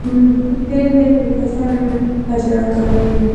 تېل د فریکشن کچه راکموي.